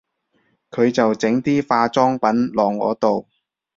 佢就整啲化妝品落我度